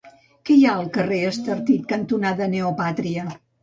Què hi ha al carrer Estartit cantonada Neopàtria?